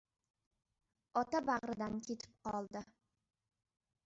Ota bag‘ridan ketib qoldi.